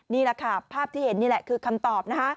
นี่แหละค่ะภาพที่เห็นนี่แหละคือคำตอบนะคะ